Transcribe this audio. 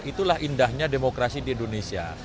itulah indahnya demokrasi di indonesia